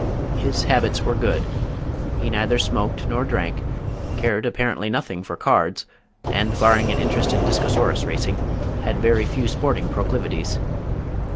His habits were good. He neither smoked nor drank, cared apparently nothing for cards, and barring an interest in Discosaurus Racing, had very few sporting proclivities.